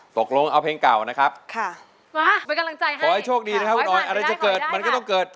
ตกลงเอาเพลงเก่านะครับค่ะขอให้โชคดีนะครับคุณออยอะไรจะเกิดมันก็ต้องเกิด